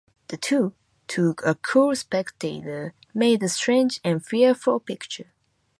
The two, to a cool spectator, made a strange and fearful picture.